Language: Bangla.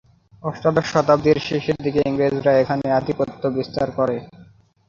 অষ্টাদশ শতাব্দীর শেষের দিকে ইংরেজরা এখানে আধিপত্য বিস্তার করে।